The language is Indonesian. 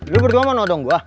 lu berdua mau nodong gua